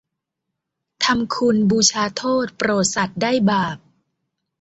ทำคุณบูชาโทษโปรดสัตว์ได้บาป